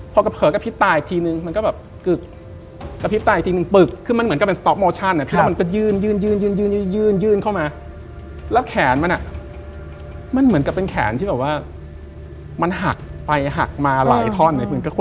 พอกระพริบตาอีกทีนึงมันก็แบบกึ๊ก